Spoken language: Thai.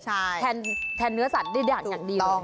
แทนเนื้อสัตว์ได้อย่างดีเลย